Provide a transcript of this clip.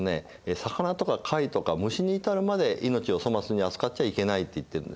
魚とか貝とか虫に至るまで命を粗末に扱っちゃいけないって言ってるんですね。